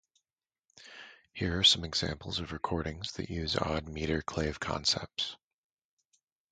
Here are some examples of recordings that use odd meter clave concepts.